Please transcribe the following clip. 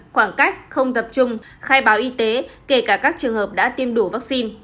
khoảng cách không tập trung khai báo y tế kể cả các trường hợp đã tiêm đủ vaccine